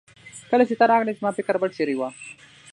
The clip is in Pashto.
کله چې ته راغلې زما فکر بل چيرې وه.